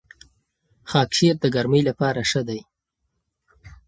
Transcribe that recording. خاکشیر د ګرمۍ لپاره ښه دی.